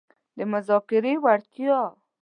-د مذاکرې وړتیا